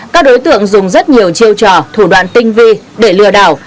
các đối tượng dùng rất nhiều chiêu trò thủ đoạn tinh vi để lừa đảo